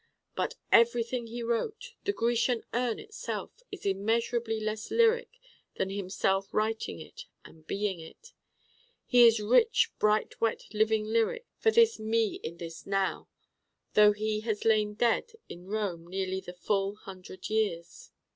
But everything he wrote, the Grecian Urn itself, is immeasurably less lyric than himself writing it and being it. He is rich bright wet living lyric for this Me in this Now though he has lain dead in Rome nearly the full hundred years.